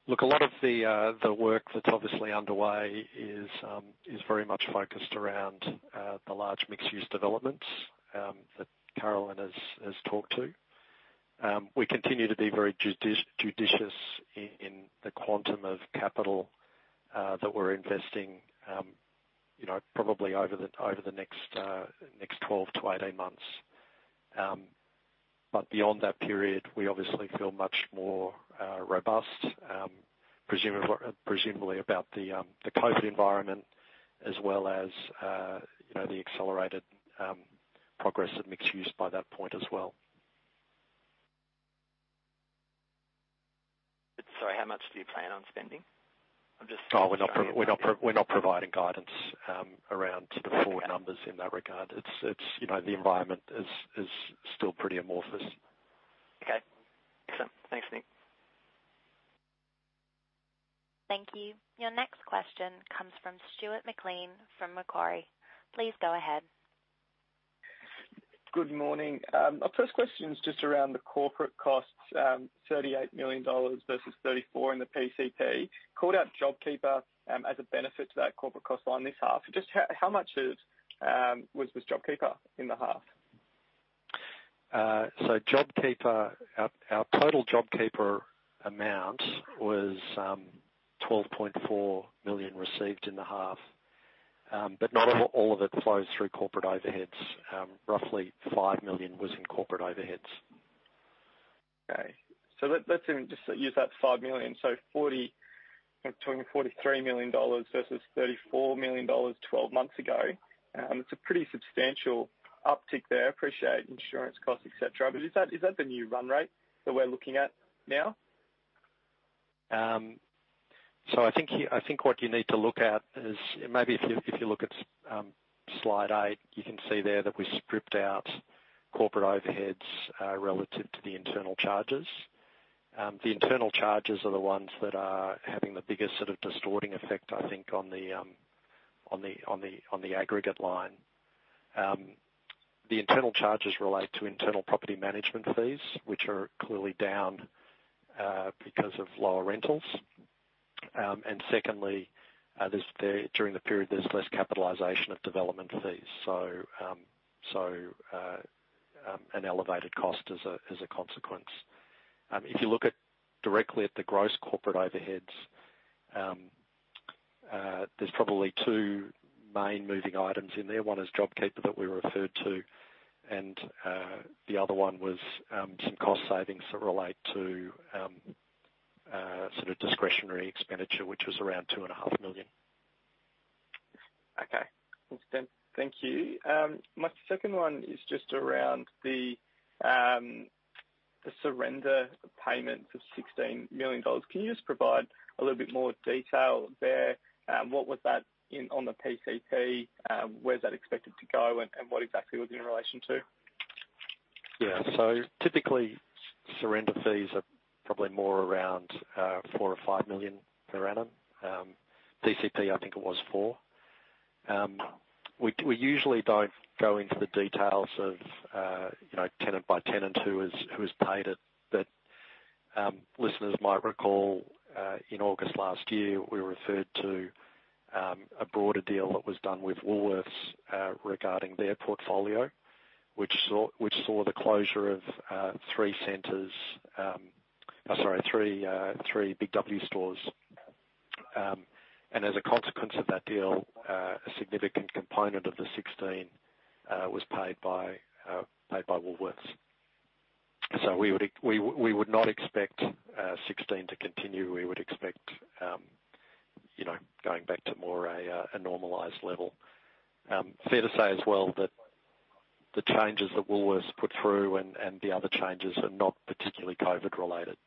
Look, a lot of the work that's obviously underway is very much focused around the large mixed-use developments that Carolyn has talked to. We continue to be very judicious in the quantum of capital that we're investing probably over the next 12-18 months. Beyond that period, we obviously feel much more robust, presumably about the COVID-19 environment as well as the accelerated progress of mixed use by that point as well. Sorry, how much do you plan on spending? We're not providing guidance around to the forward numbers in that regard. The environment is still pretty amorphous. Okay. Excellent. Thanks, Nick. Thank you. Your next question comes from Stuart McLean from Macquarie. Please go ahead. Good morning. Our first question is just around the corporate costs, 38 million dollars versus 34 million in the PCP. Called out JobKeeper as a benefit to that corporate cost line this half. Just how much was JobKeeper in the half? JobKeeper, our total JobKeeper amount was 12.4 million received in the half. Not all of it flows through corporate overheads. Roughly 5 million was in corporate overheads. Okay. Let's even just use that 5 million. 43 million dollars versus 34 million dollars 12 months ago. It's a pretty substantial uptick there. Appreciate insurance costs, et cetera. Is that the new run rate that we're looking at now? I think what you need to look at is, maybe if you look at slide eight, you can see there that we stripped out corporate overheads relative to the internal charges. The internal charges are the ones that are having the biggest distorting effect, I think, on the aggregate line. The internal charges relate to internal property management fees, which are clearly down because of lower rentals. Secondly, during the period, there's less capitalization of development fees. An elevated cost is a consequence. If you look directly at the gross corporate overheads, there are probably two main moving items in there. One is JobKeeper that we referred to, and the other one was some cost savings that relate to discretionary expenditure, which was around 2.5 million. Okay. Thank you. My second one is just around the surrender payment of AUD 16 million. Can you just provide a little bit more detail there? What was that on the PCP? Where is that expected to go, and what exactly was it in relation to? Typically, surrender fees are probably more around 4 million or 5 million per annum. PCP, I think it was 4 million. We usually don't go into the details of tenant by tenant who has paid it, but listeners might recall, in August last year, we referred to a broader deal that was done with Woolworths regarding their portfolio, which saw the closure of three Big W stores. As a consequence of that deal, a significant component of the 16 million was paid by Woolworths. We would not expect 16 million to continue. We would expect going back to more a normalized level. Fair to say as well that the changes that Woolworths put through and the other changes are not particularly COVID-19 related.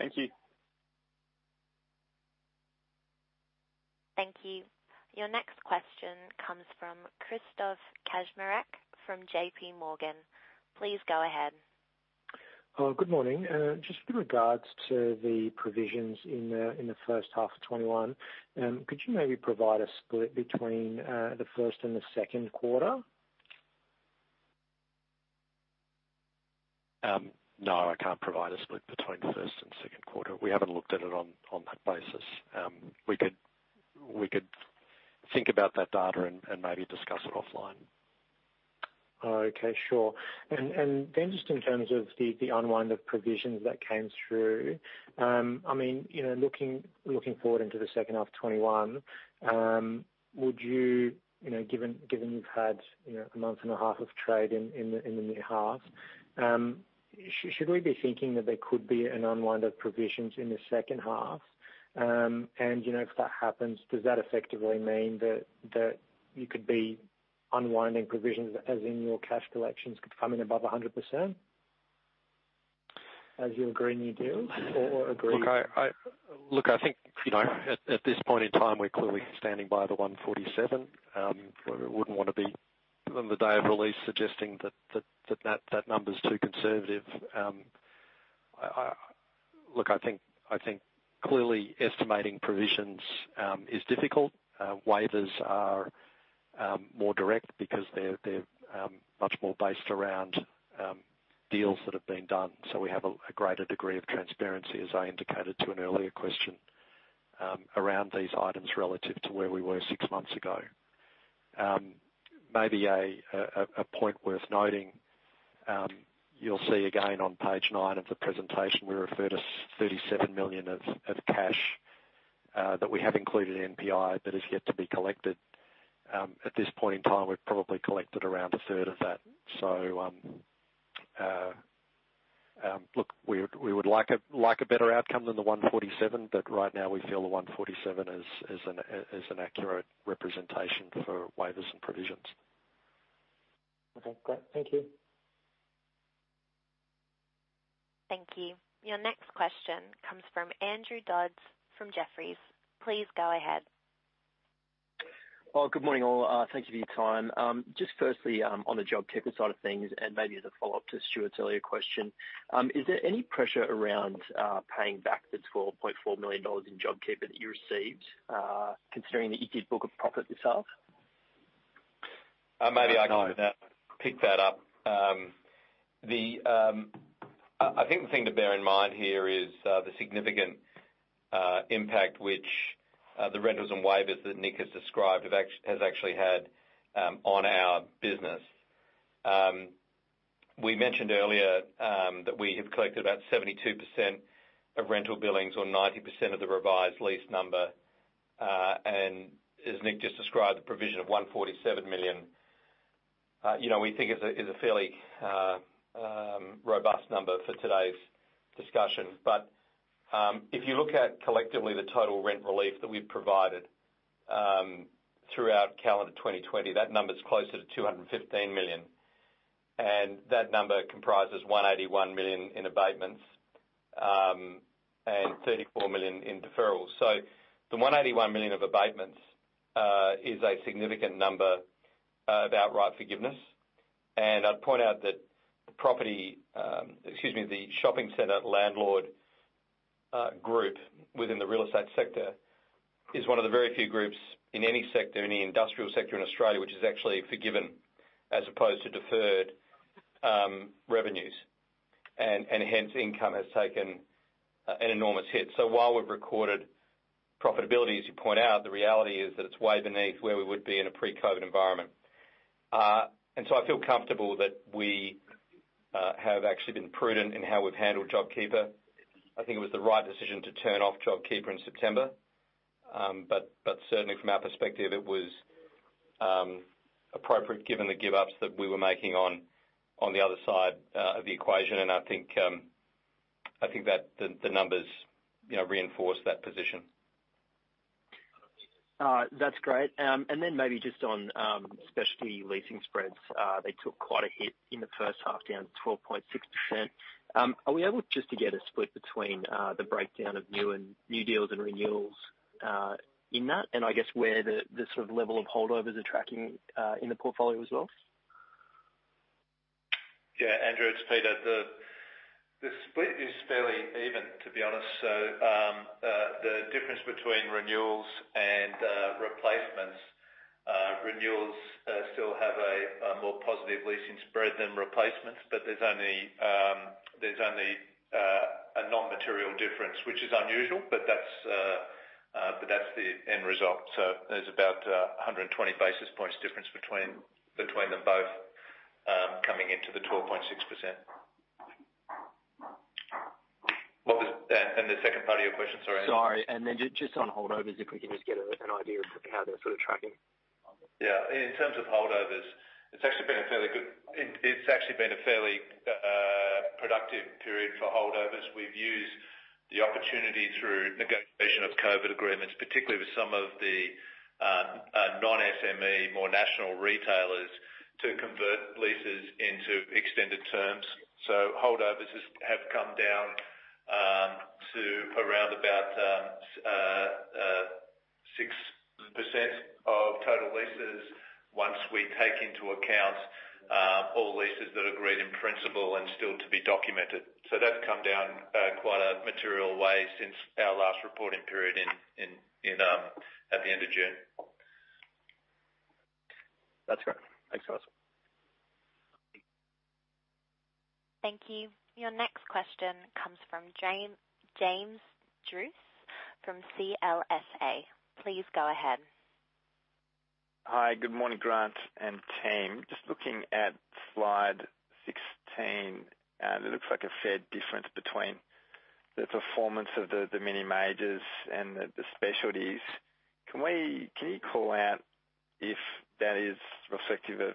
Thank you. Thank you. Your next question comes from Krzysztof Kaczmarek from JPMorgan. Please go ahead. Good morning. Just with regards to the provisions in the first half of 2021, could you maybe provide a split between the first and the second quarter? No, I can't provide a split between first and second quarter. We haven't looked at it on that basis. We could think about that data and maybe discuss it offline. Okay, sure. Just in terms of the unwind of provisions that came through, looking forward into the second half of 2021, given you've had a month and a half of trade in the new half, should we be thinking that there could be an unwind of provisions in the second half? If that happens, does that effectively mean that you could be unwinding provisions, as in your cash collections could come in above 100%? Look, I think at this point in time, we're clearly standing by the 147. We wouldn't want to be, on the day of release, suggesting that that number's too conservative. Look, I think clearly estimating provisions is difficult. Waivers are more direct because they're much more based around deals that have been done. We have a greater degree of transparency, as I indicated to an earlier question, around these items relative to where we were six months ago. Maybe a point worth noting. You'll see again on page nine of the presentation, we refer to 37 million of cash that we have included in NPI that is yet to be collected. At this point in time, we've probably collected around a third of that. Look, we would like a better outcome than the 147. Right now we feel the 147 is an accurate representation for waivers and provisions. Okay, great. Thank you. Thank you. Your next question comes from Andrew Dodds from Jefferies. Please go ahead. Good morning, all. Thank you for your time. Firstly, on the JobKeeper side of things, maybe as a follow-up to Stuart's earlier question, is there any pressure around paying back the 12.4 million dollars in JobKeeper that you received, considering that you did book a profit this half? Maybe I can pick that up. I think the thing to bear in mind here is the significant impact which the rentals and waivers that Nick has described has actually had on our business. We mentioned earlier that we have collected about 72% of rental billings or 90% of the revised lease number. As Nick just described, the provision of 147 million, we think is a fairly robust number for today's discussion. If you look at collectively the total rent relief that we've provided throughout calendar 2020, that number is closer to 215 million, and that number comprises 181 million in abatements and 34 million in deferrals. The 181 million of abatements is a significant number of outright forgiveness. I'd point out that the shopping center landlord group within the real estate sector is one of the very few groups in any sector in the industrial sector in Australia, which has actually forgiven as opposed to deferred revenues, and hence income has taken an enormous hit. While we've recorded profitability, as you point out, the reality is that it's way beneath where we would be in a pre-COVID-19 environment. I feel comfortable that we have actually been prudent in how we've handled JobKeeper. I think it was the right decision to turn off JobKeeper in September. Certainly, from our perspective, it was appropriate given the give-ups that we were making on the other side of the equation, and I think that the numbers reinforce that position. That's great. Maybe just on specialty leasing spreads, they took quite a hit in the first half, down to 12.6%. Are we able just to get a split between the breakdown of new deals and renewals in that, and I guess where the sort of level of holdovers are tracking in the portfolio as well? Andrew, it's Peter. The split is fairly even, to be honest. The difference between renewals and replacements, renewals still have a more positive leasing spread than replacements. There's only a non-material difference, which is unusual, but that's the end result. There's about 120 basis points difference between them both coming into the 12.6%. The second part of your question, sorry, Andrew. Sorry. Then just on holdovers, if we can just get an idea of how they're sort of tracking. In terms of holdovers, it's actually been a fairly productive period for holdovers. We've used the opportunity through negotiation of COVID agreements, particularly with some of the non-SME, more national retailers, to convert leases into extended terms. Holdovers have come down to around about 6% of total leases once we take into account all leases that are agreed in principle and still to be documented. That's come down quite a material way since our last reporting period at the end of June. That's great. Thanks for that. Thank you. Your next question comes from James Druce from CLSA. Please go ahead. Hi, good morning, Grant and team. Just looking at slide 16, it looks like a fair difference between the performance of the mini majors and the specialties. Can you call out if that is reflective of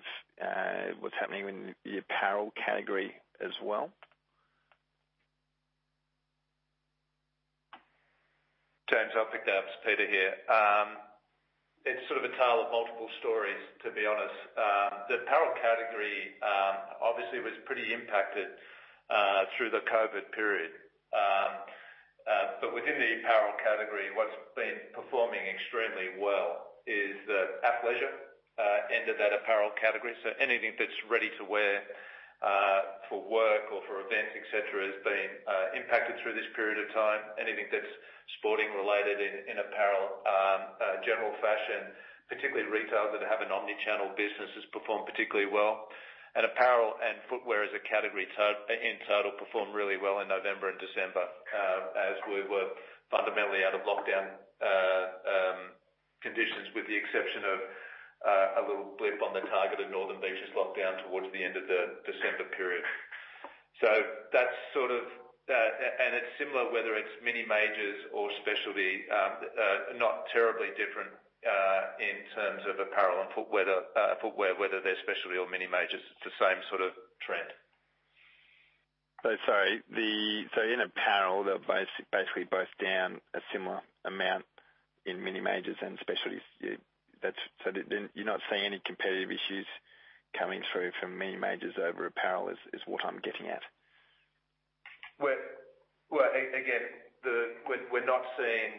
what's happening in the apparel category as well? James, I'll pick that up. It's Peter here. It's sort of a tale of multiple stories, to be honest. The apparel category obviously was pretty impacted through the COVID-19 period. Within the apparel category, what's been performing extremely well is the athleisure end of that apparel category. Anything that's ready to wear for work or for events, et cetera, has been impacted through this period of time. Anything that's sporting-related in apparel, general fashion, particularly retailers that have an omnichannel business, has performed particularly well. Apparel and footwear as a category in total performed really well in November and December as we were fundamentally out of lockdown conditions, with the exception of a little blip on the targeted Northern Beaches lockdown towards the end of the December period. It's similar whether it's mini majors or specialty, not terribly different in terms of apparel and footwear, whether they're specialty or mini majors. It's the same sort of trend. Sorry. In apparel, they're basically both down a similar amount in mini majors and specialties. You're not seeing any competitive issues coming through from mini majors over apparel, is what I'm getting at. Well, again, we're not seeing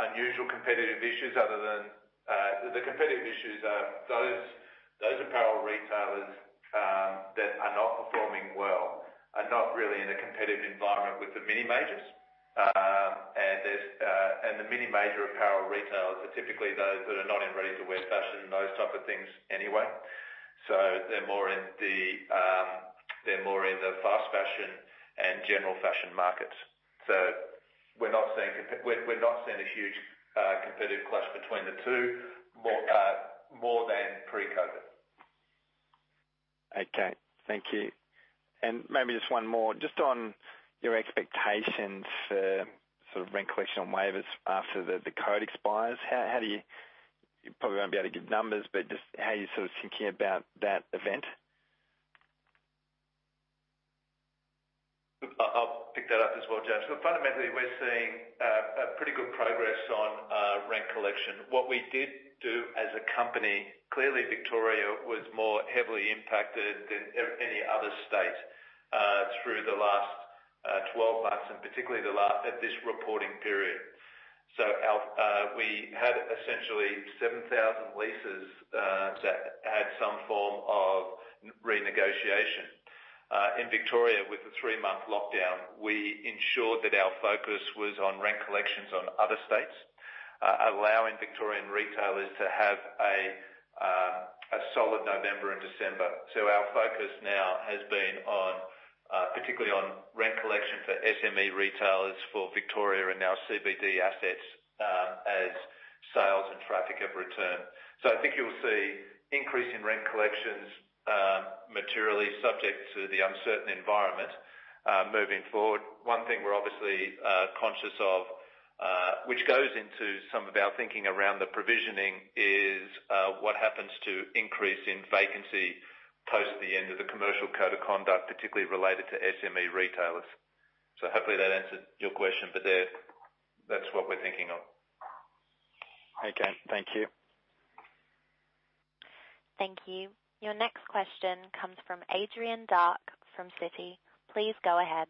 unusual competitive issues. The competitive issues are those apparel retailers that are not performing well are not really in a competitive environment with the mini majors. The mini major apparel retailers are typically those that are not in ready-to-wear fashion and those types of things anyway. They're more in the fast fashion and general fashion markets. We're not seeing a huge competitive clash between the two more than pre-COVID. Okay. Thank you. Maybe just one more. Just on your expectations, collection on waivers after the code expires. How you probably won't be able to give numbers, but just how you're thinking about that event? I'll pick that up as well, James. Look, fundamentally, we're seeing pretty good progress on rent collection. What we did do as a company, clearly, Victoria was more heavily impacted than any other state through the last 12 months, and particularly at this reporting period. We had essentially 7,000 leases that had some form of renegotiation. In Victoria, with the three-month lockdown, we ensured that our focus was on rent collections on other states, allowing Victorian retailers to have a solid November and December. Our focus now has been particularly on rent collection for SME retailers for Victoria and our CBD assets as sales and traffic have returned. I think you'll see increase in rent collections materially subject to the uncertain environment moving forward. One thing we're obviously conscious of, which goes into some of our thinking around the provisioning, is what happens to increase in vacancy post the end of the commercial Code of Conduct, particularly related to SME retailers. Hopefully that answered your question, but that's what we're thinking of. Okay, thank you. Thank you. Your next question comes from Adrian Dark from Citi. Please go ahead.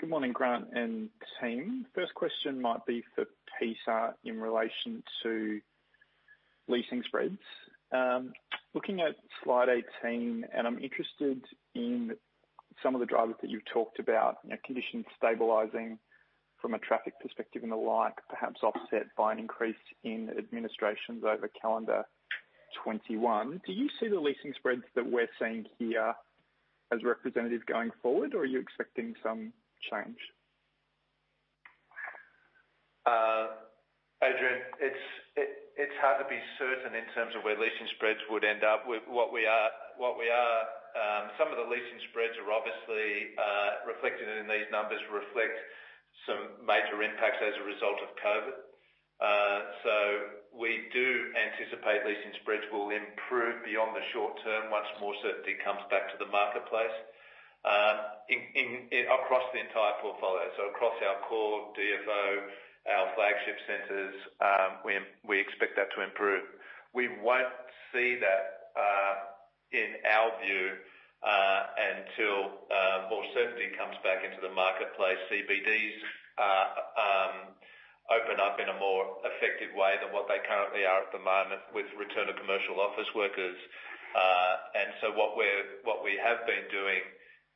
Good morning, Grant and team. First question might be for Peter in relation to leasing spreads. Looking at slide 18, I'm interested in some of the drivers that you've talked about, conditions stabilizing from a traffic perspective, and the like, perhaps offset by an increase in administrations over calendar 2021. Do you see the leasing spreads that we're seeing here as representative going forward, or are you expecting some change? Adrian, it's hard to be certain in terms of where leasing spreads would end up. Some of the leasing spreads are obviously reflected in these numbers, reflect some major impacts as a result of COVID-19. We do anticipate leasing spreads will improve beyond the short term once more certainty comes back to the marketplace across the entire portfolio. Across our core DFO, our flagship centers, we expect that to improve. We won't see that, in our view, until more certainty comes back into the marketplace. CBDs open up in a more effective way than what they currently are at the moment with return of commercial office workers. What we have been doing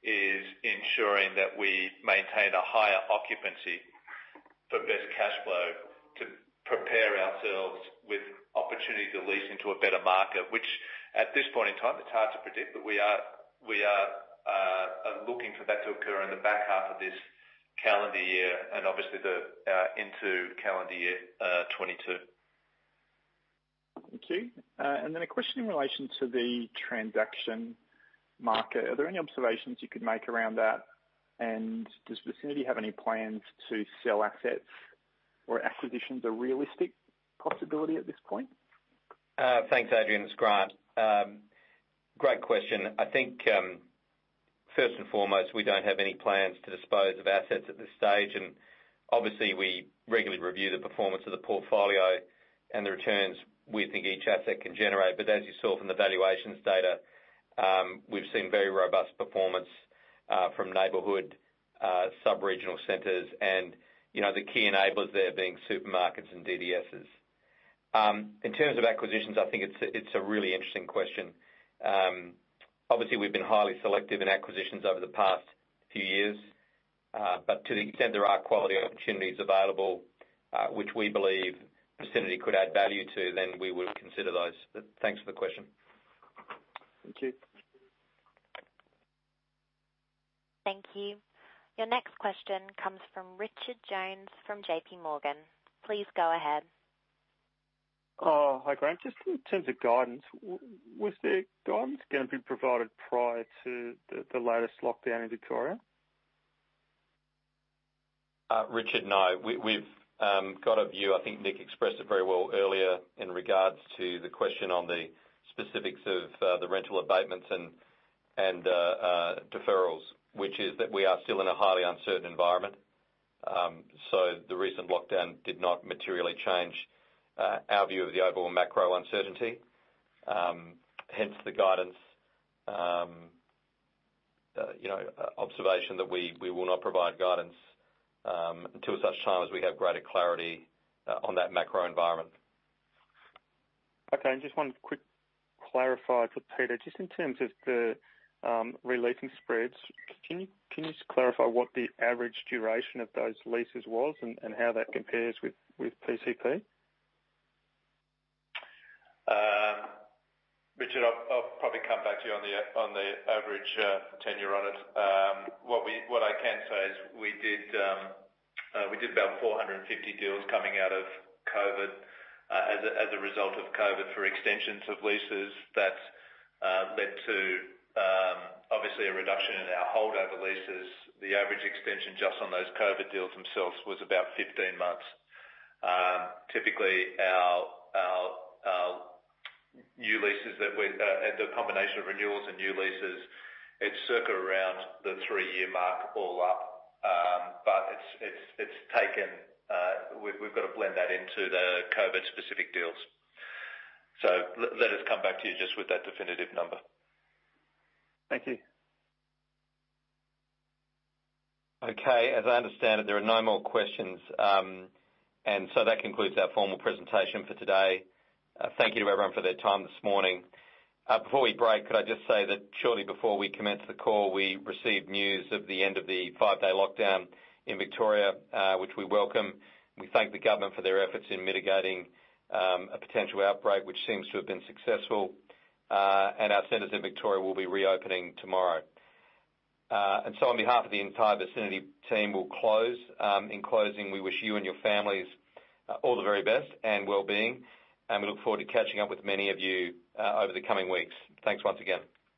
is ensuring that we maintain a higher occupancy for best cash flow to prepare ourselves with opportunity to lease into a better market, which at this point in time, it's hard to predict, but we are looking for that to occur in the back half of this calendar year and obviously into calendar year 2022. Thank you. A question in relation to the transaction market. Are there any observations you could make around that? Does Vicinity have any plans to sell assets or acquisitions a realistic possibility at this point? Thanks, Adrian. It's Grant. Great question. I think first and foremost, we don't have any plans to dispose of assets at this stage. Obviously, we regularly review the performance of the portfolio and the returns we think each asset can generate. As you saw from the valuations data, we've seen very robust performance from neighborhood sub-regional centers and the key enablers they're being supermarkets and DDSs. In terms of acquisitions, I think it's a really interesting question. Obviously, we've been highly selective in acquisitions over the past few years. To the extent there are quality opportunities available, which we believe Vicinity could add value to, then we would consider those. Thanks for the question. Thank you. Thank you. Your next question comes from Richard Jones from JPMorgan. Please go ahead. Hi, Grant. Just in terms of guidance, was the guidance going to be provided prior to the latest lockdown in Victoria? Richard, no. We've got a view, I think Nick expressed it very well earlier in regards to the question on the specifics of the rental abatements and deferrals, which is that we are still in a highly uncertain environment. The recent lockdown did not materially change our view of the overall macro uncertainty. Hence the guidance observation that we will not provide guidance until such time as we have greater clarity on that macro environment. Okay. Just one quick clarify for Peter, just in terms of the re-leasing spreads, can you just clarify what the average duration of those leases was and how that compares with PCP? Richard, I'll probably come back to you on the average tenure on it. What I can say is we did about 450 deals coming out of COVID, as a result of COVID, for extensions of leases. That led to obviously, a reduction in our holdover leases. The average extension just on those COVID deals themselves was about 15 months. Typically, our new leases, the combination of renewals and new leases, it's circa around the three-year mark all up. We've got to blend that into the COVID-specific deals. Let us come back to you just with that definitive number. Thank you. Okay, as I understand it, there are no more questions. That concludes our formal presentation for today. Thank you to everyone for their time this morning. Before we break, could I just say that shortly before we commenced the call, we received news of the end of the five-day lockdown in Victoria, which we welcome. We thank the government for their efforts in mitigating a potential outbreak, which seems to have been successful. Our centers in Victoria will be reopening tomorrow. On behalf of the entire Vicinity team, we'll close. In closing, we wish you and your families all the very best and well-being, and we look forward to catching up with many of you over the coming weeks. Thanks once again.